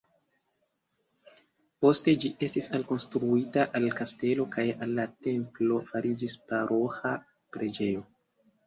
Poste ĝi estis alkonstruita al kastelo kaj el la templo fariĝis paroĥa preĝejo.